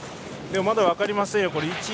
まだ分かりませんよ。